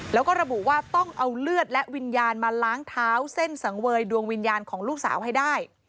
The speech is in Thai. แล้วก็ระบุว่าต้องเอาเลือดและวิญญาณมาล้างเท้าเส้นสังเวยดวงวิญญาณของลูกสาวให้ได้